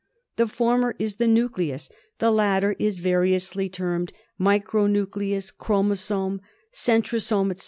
The former is the nucleus; the latter is variously termed micro nucleus, chromosome, centrosome, etc.